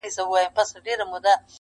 o کليوال راټولېږي شاوخوا ډېر خلک,